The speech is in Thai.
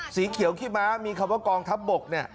สีเขียวขี้ม้ามีคำว่ากองทัพบกเนี่ย